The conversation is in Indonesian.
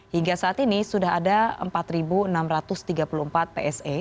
hingga saat ini sudah ada empat enam ratus tiga puluh empat pse